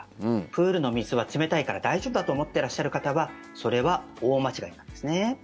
プールの水は冷たいから大丈夫だと思ってらっしゃる方はそれは大間違いなんですね。